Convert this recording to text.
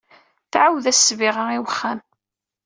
Tɛawed-as ssbiɣa i wexxam.